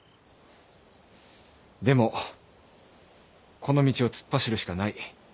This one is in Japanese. でもこの道を突っ走るしかない。